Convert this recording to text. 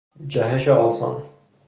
جهش آسان